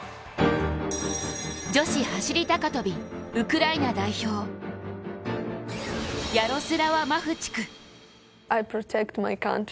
女子走高跳、ウクライナ代表、ヤロスラワ・マフチク。